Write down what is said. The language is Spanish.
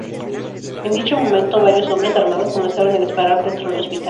En dicho momento, varios hombres armados comenzaron a disparar dentro del hospital.